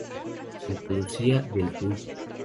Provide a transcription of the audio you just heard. Santa Lucía del Tuy.